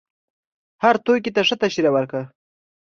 هر توکي ته ښه تشریح وکړه.